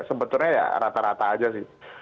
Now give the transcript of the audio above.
sebetulnya ya rata rata aja sih